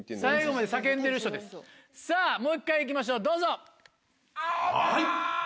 さぁもう１回行きましょうどうぞ。